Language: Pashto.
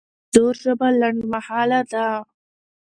د زور ژبه لنډمهاله ده